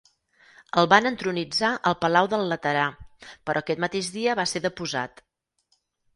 El van entronitzar al Palau del Laterà, però aquest mateix dia va ser deposat.